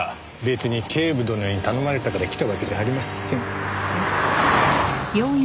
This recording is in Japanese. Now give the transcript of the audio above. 別に警部殿に頼まれたから来たわけじゃありません。